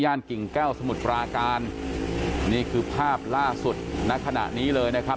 กิ่งแก้วสมุทรปราการนี่คือภาพล่าสุดณขณะนี้เลยนะครับ